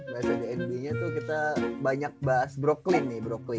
bahasan di nbanya tuh kita banyak bahas brooklyn nih brooklyn